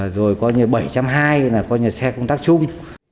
rồi coi như bảy trăm hai mươi là coi như xe công tác chung